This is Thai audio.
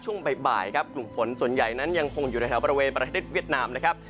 ช่วงบ่ายครับกลุ่มฝนส่วนใหญ่นั้นยังคงอยู่ในแถวบริเวณประเทศเวียดนามนะครับ